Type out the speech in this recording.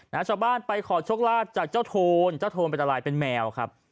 ชาวบ้านไปขอโชคลาภจากเจ้าโทนเจ้าโทนเป็นอะไรเป็นแมวครับ